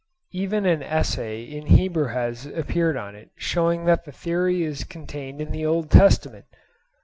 Even an essay in Hebrew has appeared on it, showing that the theory is contained in the Old Testament!